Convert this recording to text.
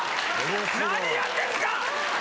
何やってんですか！